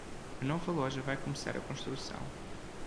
A nova loja vai começar a construção.